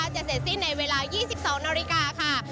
จะเสร็จสิ้นในเวลา๒๒นาฬิกาค่ะ